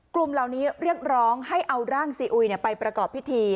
กลุ่มเหล่านี้เรียกร้องให้เอาร่างซีอุยไปประกอบพิธี